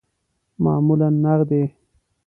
معمولاً نغدی